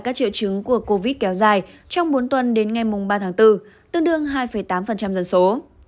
các triệu chứng của covid kéo dài trong bốn tuần đến ngày ba tháng bốn tương đương hai tám dân số